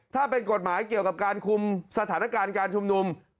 ถ้าเป็นกฎหมายเกี่ยวกับการคุมสถานการณ์การชุมนุม